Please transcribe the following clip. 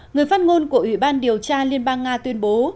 người phát ngôn của ủy ban điều tra liên bang nga tuyên bố